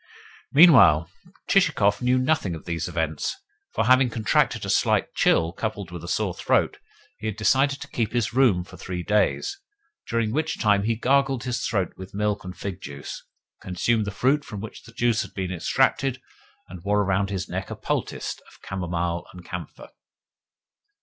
Meanwhile Chichikov knew nothing of these events; for, having contracted a slight chill, coupled with a sore throat, he had decided to keep his room for three days; during which time he gargled his throat with milk and fig juice, consumed the fruit from which the juice had been extracted, and wore around his neck a poultice of camomile and camphor.